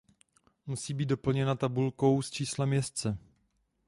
Musí být doplněna tabulkou s číslem jezdce.